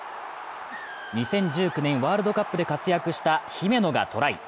２０１９年ワールドカップで活躍した姫野がトライ。